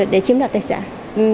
để chiếm đặt tài sản